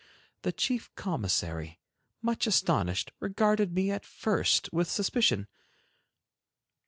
The chief commissary, much astonished, regarded me at first with suspicion.